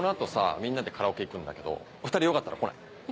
みんなでカラオケ行くんだけど２人よかったら来ない？